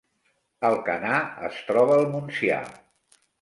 Alcanar es troba al Montsià